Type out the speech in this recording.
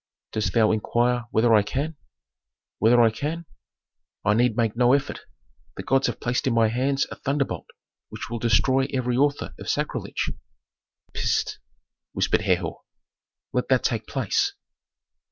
"Dost thou inquire whether I can? Whether I can? I need make no effort. The gods have placed in my hands a thunderbolt which will destroy every author of sacrilege." "Pst!" whispered Herhor. "Let that take place."